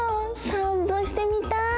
さんぽしてみたい！